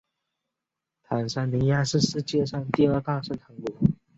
坦桑尼亚是世界上第二大生产国。